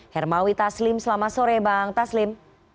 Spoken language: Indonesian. hermawi taslim selamat sore bang taslim